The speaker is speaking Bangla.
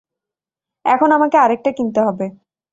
এখন আমাকে আরেকটা কিনতে হবে।